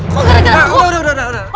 kenapa aku udah udah udah